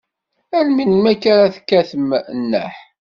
Ar melmi akka ara tekkatem nneḥ?